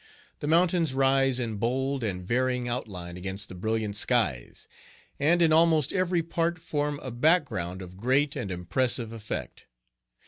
The mountains rise in bold and varying outline against the brilliant skies, and in almost every part form a background of great and impressive effect.